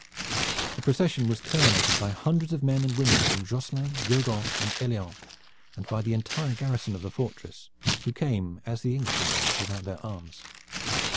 The procession was terminated by hundreds of men and women from Josselin, Guegon, and Helleon, and by the entire garrison of the fortress, who came, as the English had done, without their arms.